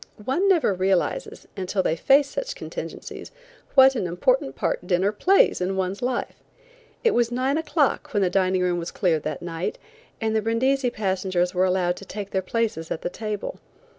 One never realizes, until they face such contingencies, what an important part dinner plays in one's life. It was nine o'clock when the dining room was cleared that night, and the Brindisi passengers were allowed to take their places at the table.